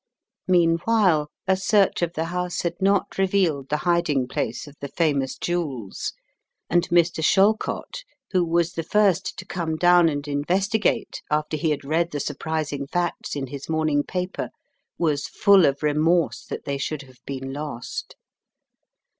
Meanwhile a search of the house had not revealed the hiding place of the famous jewels, and Mr. Shallcott, who was the first to come down and in vestigate after he had read the surprising facts in his morning paper, was full of remorse that they should have been lost.